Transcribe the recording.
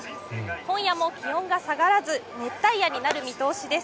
今夜も気温が下がらず、熱帯夜になる見通しです。